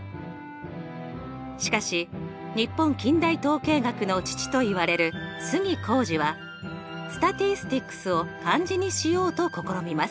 しかし日本近代統計学の父といわれる杉亨二はｓｔａｔｉｓｔｉｃｓを漢字にしようと試みます。